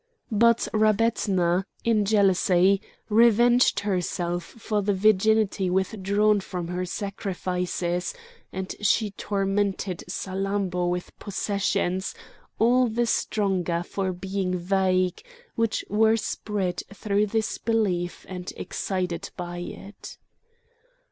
But Rabetna, in jealousy, revenged herself for the virginity withdrawn from her sacrifices, and she tormented Salammbô with possessions, all the stronger for being vague, which were spread through this belief and excited by it.